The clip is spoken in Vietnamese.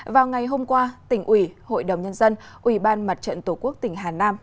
vào ngày hôm qua tỉnh ủy hội đồng nhân dân ủy ban mặt trận tổ quốc tỉnh hà nam